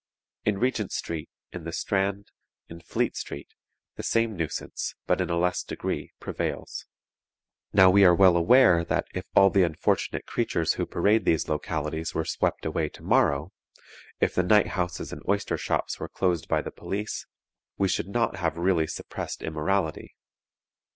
In Regent Street, in the Strand, in Fleet Street, the same nuisance, but in a less degree, prevails. Now we are well aware that, if all the unfortunate creatures who parade these localities were swept away to morrow, if the night houses and oyster shops were closed by the police, we should not have really suppressed immorality.